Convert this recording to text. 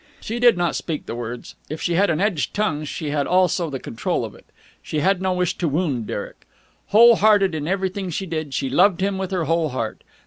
She did not speak the words. If she had an edged tongue, she had also the control of it. She had no wish to wound Derek. Whole hearted in everything she did, she loved him with her whole heart.